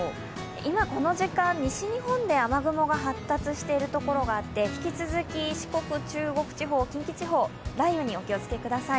今、この時間西日本で雨雲が発達している所があって引き続き、四国、中国、近畿地方、雷雨にお気をつけください。